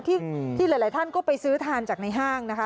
ที่หลายท่านก็ไปซื้อทานจากในห้างนะคะ